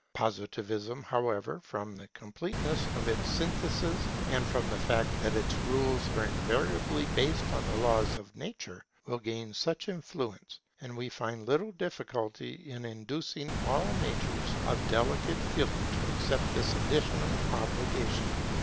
Positivism, however, from the completeness of its synthesis, and from the fact that its rules are invariably based on the laws of nature, will gain such influence, and we find little difficulty in inducing all natures of delicate feeling to accept this additional obligation.